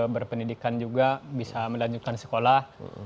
berpendidikan juga bisa melanjutkan sekolah